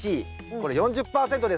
これ４０％です。